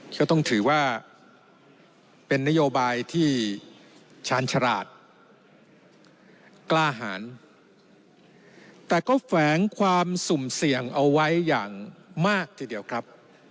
ก็ต้องถือว่าเป็นนโยบายที่ชาญฉลาดกล้าหารแต่ก็แฝงความสุ่มเสี่ยงเอาไว้อย่างมากทีเดียวครับ